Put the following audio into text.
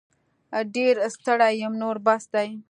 ډير ستړې یم نور بس دی